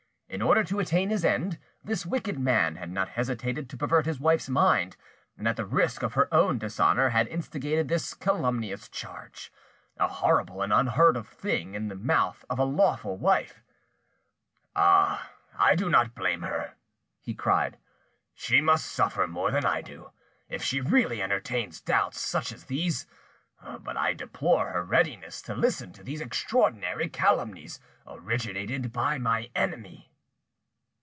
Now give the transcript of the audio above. In order to attain his end, this wicked man had not hesitated to pervert his wife's mind, and at the risk of her own dishonour had instigated this calumnious charge—a horrible and unheard of thing in the mouth of a lawful wife. "Ah! I do not blame her," he cried; "she must suffer more than I do, if she really entertains doubts such as these; but I deplore her readiness to listen to these extraordinary calumnies originated by my enemy."